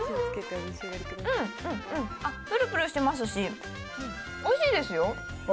ぷるぷるしてますし、おいしいですよ。